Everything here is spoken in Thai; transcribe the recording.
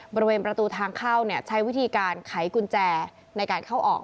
บริเวณประตูทางเข้าใช้วิธีการไขกุญแจในการเข้าออก